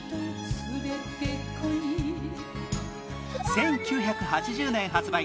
１９８０年発売